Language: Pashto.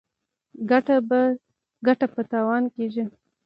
ګټه په تاوان کیږي.